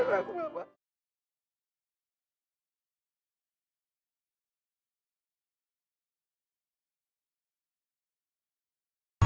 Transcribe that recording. untuk kamu sendiri hari ini biar vous lebih berjaga baga